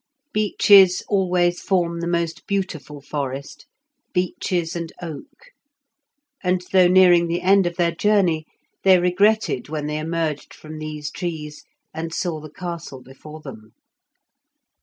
Beeches always form the most beautiful forest, beeches and oak; and though nearing the end of their journey, they regretted when they emerged from these trees and saw the castle before them.